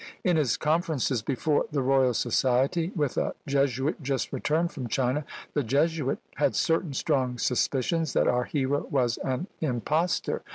In his conferences before the Royal Society with a Jesuit just returned from China, the Jesuit had certain strong suspicions that our hero was an impostor.